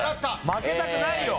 負けたくないよ！